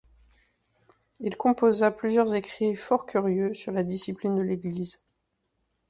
Il composa plusieurs écrits forts curieux sur la discipline de l'Église.